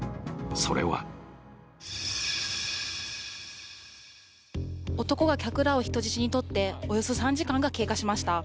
それは男は客らを人質にとっておよそ３時間が経過しました。